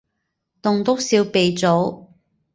棟篤笑鼻祖